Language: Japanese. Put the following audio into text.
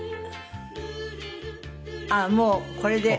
あっもうこれで。